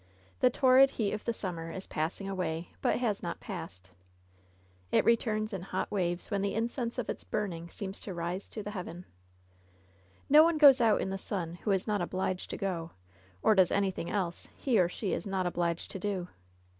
The torrid heat of the summer is pass ing away, but has not passed. LOVE'S BITTEREST CUP 46 It returns in hot waves when the incense of its burn ing seems to rise to heaven. No one goes out in the sun who is not obliged to go, or does anything else he or she is not obliged to do.